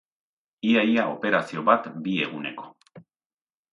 Ia-ia operazio bat bi eguneko.